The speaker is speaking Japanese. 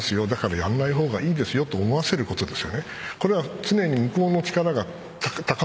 やらない方がいいですよと思わせることです。